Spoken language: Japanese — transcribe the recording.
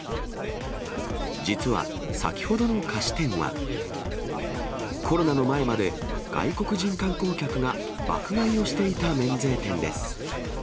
実は、先ほどの菓子店は、コロナの前まで、外国人観光客が爆買いをしていた免税店です。